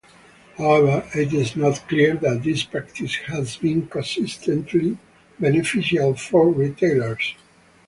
However, it is not clear that this practice has been consistently beneficial for retailers.